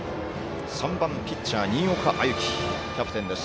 ３番ピッチャー、新岡歩輝キャプテンです。